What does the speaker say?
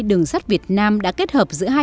đường sắt việt nam đã kết hợp giữa hai